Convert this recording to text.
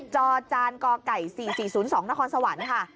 จอจานกไก่๔๔๐๒นครสวรรค์ค่ะ